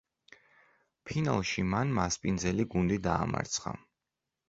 ფინალში მან მასპინძელი გუნდი დაამარცხა.